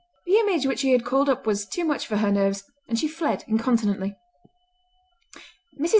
The image which she had called up was too much for her nerves, and she fled incontinently. Mrs.